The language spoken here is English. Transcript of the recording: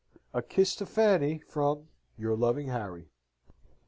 A kiss to Fanny from Your loving HARRY."